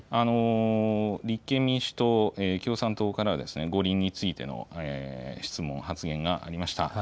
立憲民主党、共産党からは五輪についての質問、発言がありました。